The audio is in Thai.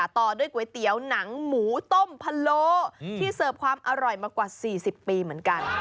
ต่อด้วยก๋วยเตี๋ยวหนังหมูต้มพะโลที่เสิร์ฟความอร่อยมากว่า๔๐ปีเหมือนกัน